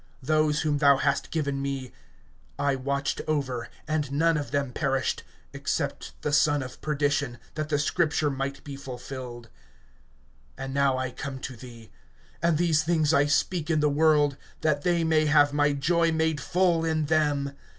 Those whom thou hast given me I watched over and none of them perished, except the son of perdition, that the scripture might be fulfilled. (13)And now I come to thee; and these things I speak in the world, that they may have my joy made full in them.